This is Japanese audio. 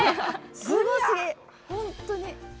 すごすぎ、本当に！